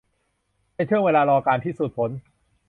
เป็นช่วงเวลารอการพิสูจน์ผล